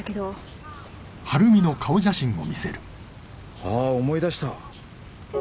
ああ思い出した。